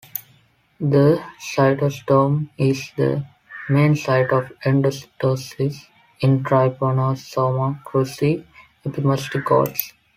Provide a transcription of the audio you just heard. The cytostome is the main site of endocytosis in "Trypanosoma cruzi epimastigotes".